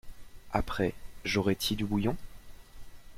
Après, j’aurais-t-y du bouillon ?